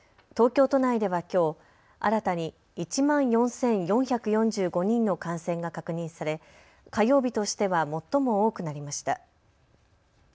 東京都内では、きょう、新たに１万４４４５人の感染が確認され火曜日としては最も多くなりました。